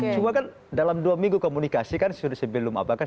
cuma kan dalam dua minggu komunikasi kan sudah sebelum apa kan